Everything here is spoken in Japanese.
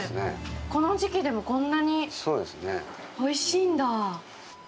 この時期でも、こんなにおいしいんだ。